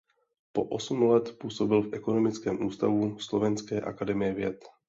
Po osm let působil v Ekonomickém ústavu Slovenské akademie věd.